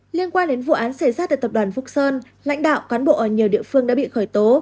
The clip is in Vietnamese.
liên quan đến vụ án xảy ra tại tập đoàn phúc sơn lãnh đạo cán bộ ở nhiều địa phương đã bị khởi tố